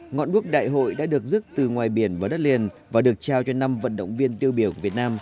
ngọn đuốc đại hội đã được rước từ ngoài biển vào đất liền và được trao cho năm vận động viên tiêu biểu việt nam